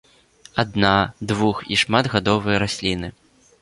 Адна-, двух- і шматгадовыя расліны.